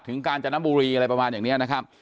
กาญจนบุรีอะไรประมาณอย่างนี้นะครับ